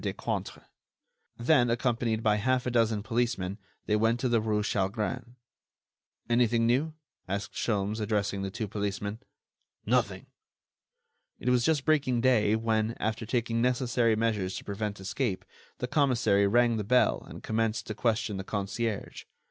Decointre. Then, accompanied by half a dozen policemen, they went to the rue Chalgrin. "Anything new?" asked Sholmes, addressing the two policemen. "Nothing." It was just breaking day when, after taking necessary measures to prevent escape, the commissary rang the bell and commenced to question the concierge.